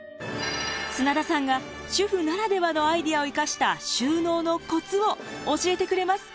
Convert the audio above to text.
砂田さんが主婦ならではのアイデアを生かした「収納のコツ」を教えてくれます。